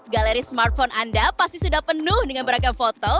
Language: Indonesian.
galeri smartphone anda pasti sudah penuh dengan beragam foto